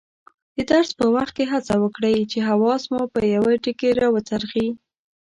د درس په وخت هڅه وکړئ چې حواس مو په یوه ټکي راوڅرخي.